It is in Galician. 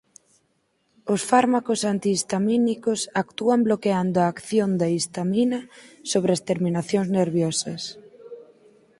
Os fármacos antihistamínicos actúan bloqueando a acción da histamina sobre as terminacións nerviosas.